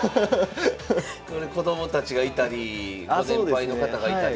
これ子どもたちがいたりご年配の方がいたり。